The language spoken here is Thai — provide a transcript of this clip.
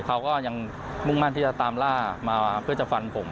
เขาก็ยังมุ่งมั่นที่จะตามล่ามาเพื่อจะฟันผม